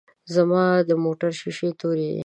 ځما دموټر شیشی توری دی.